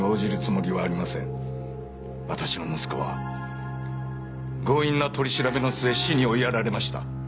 私の息子は強引な取り調べの末死に追いやられました。